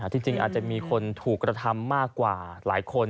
ที่จริงอาจจะมีคนถูกกระทำมากกว่าหลายคน